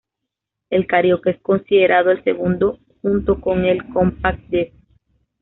El karaoke es considerado el segundo, junto con el compact disc.